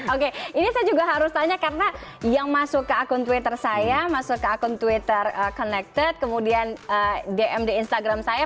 oke ini saya juga harus tanya karena yang masuk ke akun twitter saya masuk ke akun twitter connected kemudian dm di instagram saya